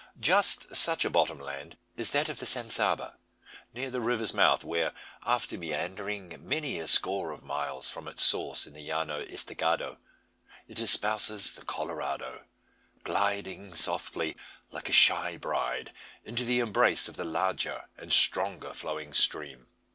Just such a bottom land is that of the San Saba, near the river's mouth; where, after meandering many a score of miles from its source in the Llano Estacado, it espouses the Colorado gliding softly, like a shy bride, into the embrace of the larger and stronger flowing stream.